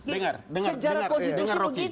dengar dengar dengar